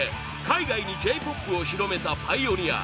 海外に Ｊ‐ＰＯＰ を広めたパイオニア